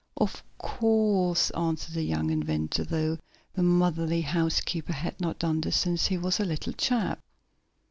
"Of course," answered the young inventor, though the motherly housekeeper had not done this since he was a little chap.